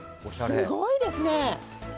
すごいですね